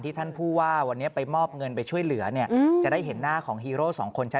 ท่านผู้ว่าวันนี้ไปมอบเงินไปช่วยเหลือเนี่ยจะได้เห็นหน้าของฮีโร่สองคนใช่ไหม